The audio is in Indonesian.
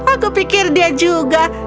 aku pikir dia juga